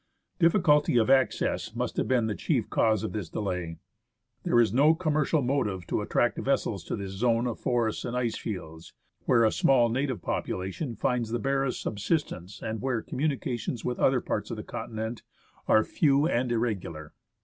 Difficulty of access must have been the chief cause of this delay. There is no commercial motive to attract vessels to this zone of forests and ice fields, where a small native population finds the barest subsistence and where communications with other parts of the continent are ie.'N and irregular.